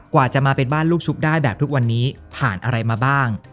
กว่าจะมาเป็นบ้านลูกชุบได้แบบทุกวันนี้ผ่านอะไรมาบ้าง